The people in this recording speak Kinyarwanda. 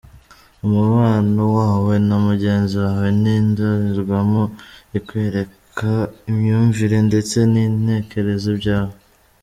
umubano wawe na mugenzi wawe ni indorerwamo ikwereka imyumvire ndetse n’intekerezo byawe.